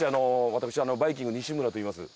私バイきんぐ西村といいます。